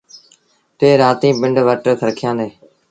ٽيٚه رآتيٚن پنڊ وٽ رکيآݩدي۔